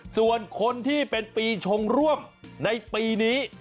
ส่วนคนที่เป็นปีชงร่วมในปีนี้